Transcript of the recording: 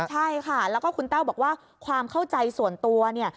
ใช่ค่ะแล้วก็คุณแต้วบอกว่าความเข้าใจส่วนตัวเนี่ย